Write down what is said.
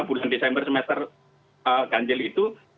bulan desember semester ganjil itu